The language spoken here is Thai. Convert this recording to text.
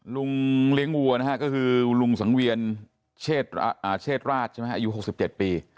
ลุงเลี้ยงวัวนะฮะก็คือลุงสังเวียนเชศราชอายุ๖๗ปี